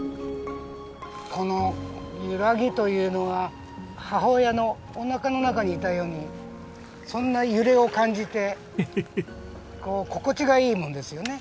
この揺らぎというのは母親のおなかの中にいたようにそんな揺れを感じて心地がいいもんですよね。